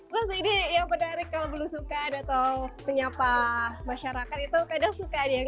terus ini yang menarik kalau belum suka atau menyapa masyarakat itu kadang suka ada yang